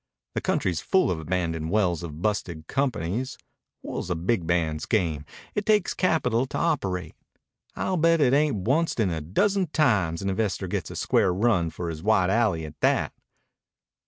The country's full of abandoned wells of busted companies. Oil is a big man's game. It takes capital to operate. I'll bet it ain't onct in a dozen times an investor gets a square run for his white alley, at that."